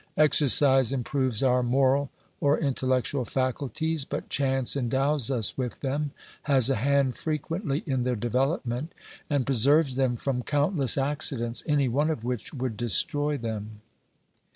Exercise improves our moral or intellectual faculties, but chance endows us with them, has a hand frequently in their development, and preserves them from countless accidents, any one of which would destroy them.